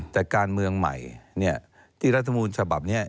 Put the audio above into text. แต่การเมืองใหม่เนี่ยที่รัฐมูลฉบับเนี่ย